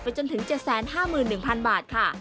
จนถึง๗๕๑๐๐๐บาทค่ะ